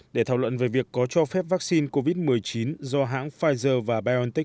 để thảo luận về việc có cho phép vaccine covid một mươi chín do hãng pfizer và biontech